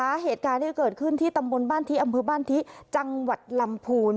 แล้วเหตุการณ์ที่เกิดขึ้นที่อำเภอบ้านที่จังหวัดลำภูนต์